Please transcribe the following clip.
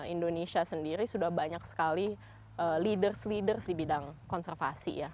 indonesia sendiri sudah banyak sekali leaders leaders di bidang konservasi ya